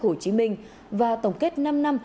hồ chí minh và tổng kết năm năm